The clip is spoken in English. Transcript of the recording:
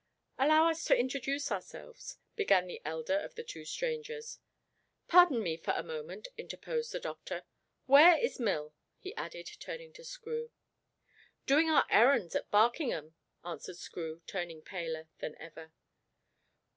"Allow us to introduce ourselves," began the elder of the two strangers. "Pardon me for a moment," interposed the doctor. "Where is Mill?" he added, turning to Screw. "Doing our errands at Barkingham," answered Screw, turning paler than ever.